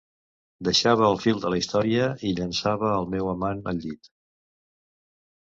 Deixava el fil de la història i llançava el meu amant al llit.